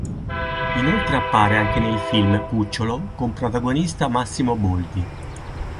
Inoltre appare anche nel film Cucciolo con protagonista Massimo Boldi.